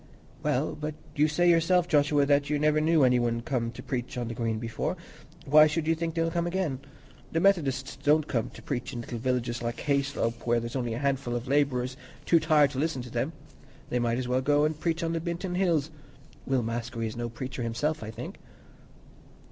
"Well, but you say yourself, Joshua, that you never knew any one come to preach on the Green before; why should you think they'll come again? The Methodists don't come to preach in little villages like Hayslope, where there's only a handful of labourers, too tired to listen to them. They might almost as well go and preach on the Binton Hills. Will Maskery is no preacher himself, I think."